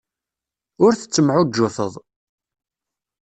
Ur tettemɛujjuteḍ.